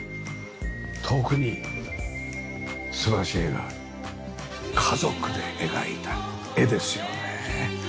遠くに素晴らしい絵が家族で描いた絵ですよね。